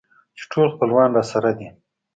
چې ټول خپلوان راسره دي.